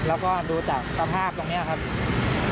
แล้วก็ดูจากสภาพตรงนี้ครับ